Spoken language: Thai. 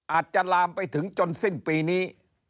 อาจจะลามไปถึงจนสิ้นปีนี้